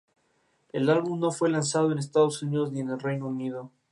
En cualquier caso es un nombre de oscura etimología y de significado desconocido.